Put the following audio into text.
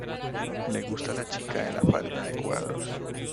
Le gusta la chica de la falda de cuadros.